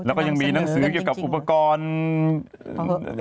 แล้วก็ยังมีหนังสือเกี่ยวกับอุปกรณ์